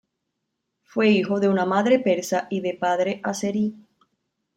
Fue hijo de una madre persa y de padre azerí.